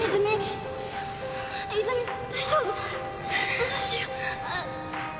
どうしよう